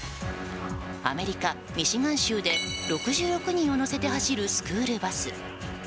アメリカ・ミシガン州で６６人を乗せて走るスクールバス。